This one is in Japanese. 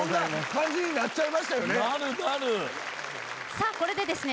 さあこれでですね